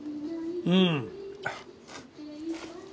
うん。